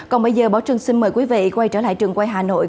còn bây giờ bảo trưng xin mời quý vị quay trở lại trường quay hà nội